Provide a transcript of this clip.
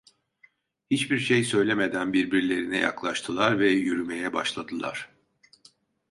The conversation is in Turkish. Hiçbir şey söylemeden birbirlerine yaklaştılar ve yürümeye başladılar.